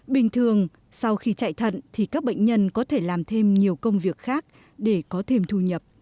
bình thường sau khi chạy thận thì các bệnh nhân có thể làm thêm nhiều công việc khác để có thêm thu nhập